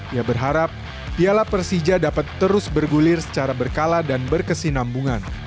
ia berharap piala persija dapat terus bergulir secara berkala dan berkesinambungan